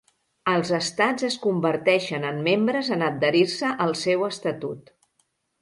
Els Estats es converteixen en membres en adherir-se al seu estatut.